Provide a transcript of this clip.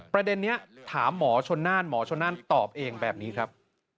ประเด็นนี้ถามหมอชนน่านหมอชนนั่นตอบเองแบบนี้ครับ